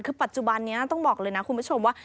คือปัจจุบันนี้ต้องบอกเลยนะคุณผู้ชมว่า